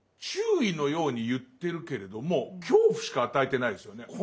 注意のように言ってるけれども恐怖しか与えてないですよね。